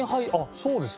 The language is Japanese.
そうですか。